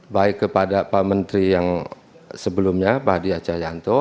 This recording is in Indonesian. baik kepada pak menteri yang sebelumnya pak hadiah cayanto